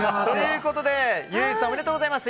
ユージさんおめでとうございます。